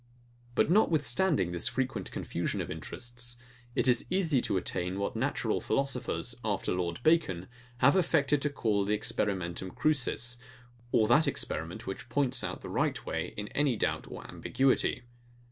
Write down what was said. But notwithstanding this frequent confusion of interests, it is easy to attain what natural philosophers, after Lord Bacon, have affected to call the experimentum crucis, or that experiment which points out the right way in any doubt or ambiguity.